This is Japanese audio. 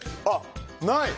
ない！